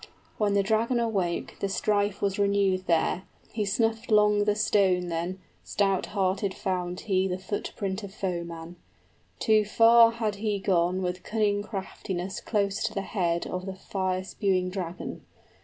When the dragon awoke, the strife was renewed there; He snuffed 'long the stone then, stout hearted found he The footprint of foeman; too far had he gone With cunning craftiness close to the head of 70 The fire spewing dragon.